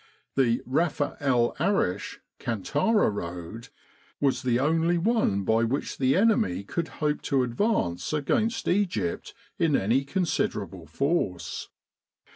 The Rafa El Arish Kantara road was the only one by which the enemy could hope to advance against Egypt in any considerable force.